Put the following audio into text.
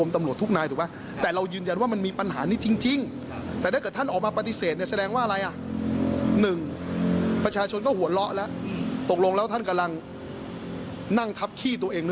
ท่านจะทำให้ทอดแล้วล้างป้น